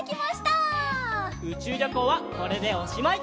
うちゅうりょこうはこれでおしまい！